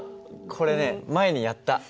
これね前にやった。